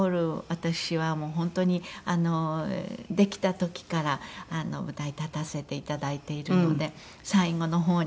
私はもう本当にできた時から舞台立たせていただいているので最後の方に。